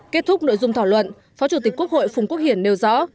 kết thúc nội dung thảo luận phó chủ tịch quốc hội phùng quốc hiển nêu rõ